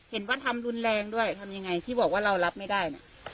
เห็นว่าทำรุนแรงด้วยทำยังไงที่บอกว่าเรารับไม่ได้นะ